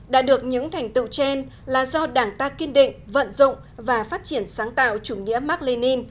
đã được những thành tựu trên là do đảng ta kiên định vận dụng và phát triển sáng tạo chủ nghĩa mark lenin